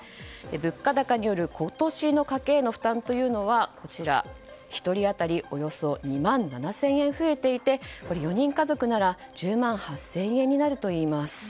物価高による今年の家計への負担というのは１人当たりおよそ２万７０００円増えていてこれは４人家族なら１０万８０００円になるといいます。